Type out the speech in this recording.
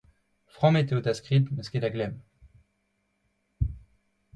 Frammet eo da skrid, n'eus ket da glemm.